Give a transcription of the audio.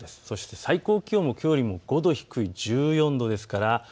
そして最高気温もきょうより５度低い１４度です。